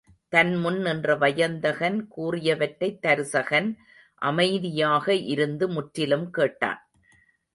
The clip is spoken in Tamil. தன் முன் நின்ற வயந்தகன் கூறியவற்றைத் தருசகன் அமைதியாக இருந்து முற்றிலும் கேட்டான்.